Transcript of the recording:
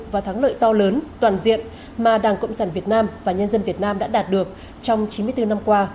và thắng lợi to lớn toàn diện mà đảng cộng sản việt nam và nhân dân việt nam đã đạt được trong chín mươi bốn năm qua